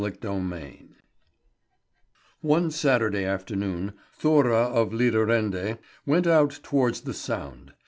CHAPTER VII ONE Saturday afternoon, Thora of Lidarende went out towards the Sound.